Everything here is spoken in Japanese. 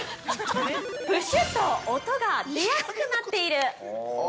◆プシュッと音が出やすくなっている。